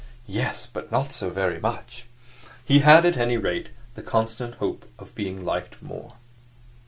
Yes; but not so very much!" He had, at any rate, the constant hope of being liked more.